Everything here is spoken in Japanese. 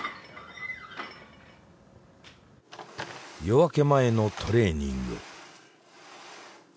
夜明け前のトレーニング。